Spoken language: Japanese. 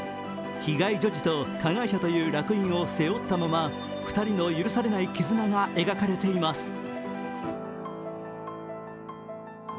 被害女児と加害者という烙印を背負ったまま、２人の許されない絆が描かれています。